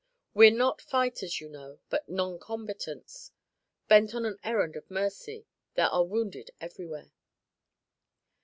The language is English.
We're not fighters, you know, but noncombatants, bent on an errand of mercy. There are wounded everywhere."